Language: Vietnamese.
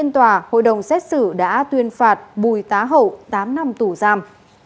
trong xét xử đã tuyên phạt bùi tá hậu tám năm tù giam